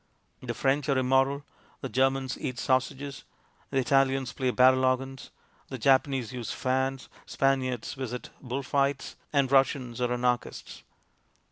The French are im moral, the Germans eat sausages, the Italians play barrel organs, the Japanese use fans, Spaniards visit bull fights, and Russians are anarchists.